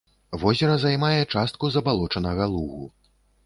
Возера займае частку забалочанага лугу.